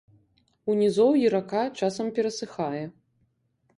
У нізоўі рака часам перасыхае.